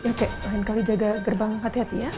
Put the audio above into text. oke lain kali jaga gerbang hati hati ya